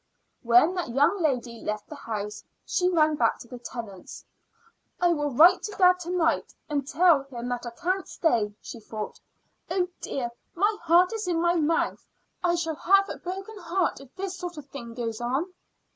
When that young lady left the house she ran back to the Tennants'. "I will write to dad to night and tell him that I can't stay," she thought. "Oh, dear, my heart is in my mouth! I shall have a broken heart if this sort of thing goes on."